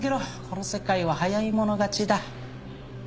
この世界は早い者勝ちだ。